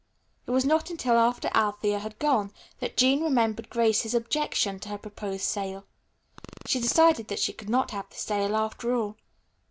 It was not until after Althea had gone that Jean remembered Grace's objection to her proposed sale. She decided that she could not have the sale after all.